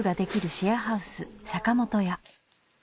シェアハウス坂本家。